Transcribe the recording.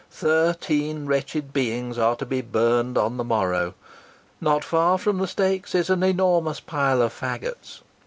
Thirteen wretched beings are to be burned on the morrow. Not far from the stakes are an enormous pile of fagots.